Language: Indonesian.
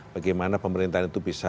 bagaimana pemerintahan itu bisa